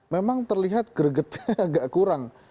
memang terlihat gregetnya agak kurang